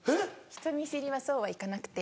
人見知りはそうはいかなくて。